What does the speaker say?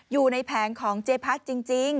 ๕๓๓๗๒๖อยู่ในแผงของเจ๊พัดจริง